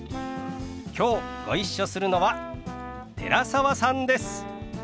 きょうご一緒するのは寺澤さんです。